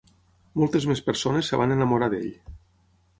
Moltes més persones es van enamorar d'ell.